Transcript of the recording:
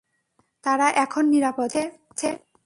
তারা এখন নিরাপদ, ঠিকাছে?